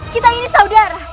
kita ini saudara